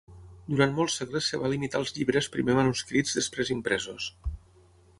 Durant molts segles es va limitar als llibres primer manuscrits, després impresos.